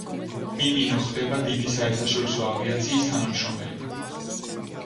მიმინო ხდება დიდი საერთაშორისო ავიაციის თანამშრომელი.